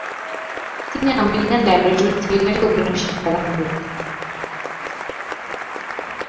তিনি American laboratory theatre অভিনয়ের শিক্ষাদান করতেন।